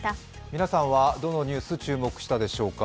皆さんはどのニュース注目したでしょうか。